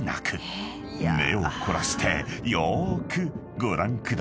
［目を凝らしてよーくご覧ください］